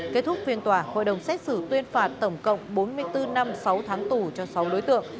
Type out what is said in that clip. kết thúc phiên tòa hội đồng xét xử tuyên phạt tổng cộng bốn mươi bốn năm sáu tháng tù cho sáu đối tượng